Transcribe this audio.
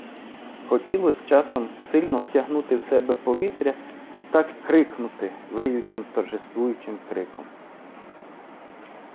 Хотілось часом сильно втягнути в себе повітря і так крикнути виючим, торжествуючим криком.